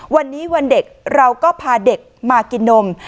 วันนี้วันเด็กเราก็พาเด็กมากินนม